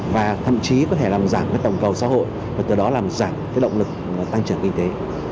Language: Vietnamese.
và thậm chí có thể làm giảm tổng cầu xã hội và từ đó làm giảm cái động lực tăng trưởng kinh tế